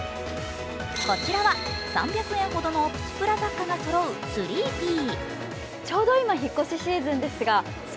こちらは３００円ほどのプチプラ雑貨がそろうＴＨＲＥＥＰＰＹ。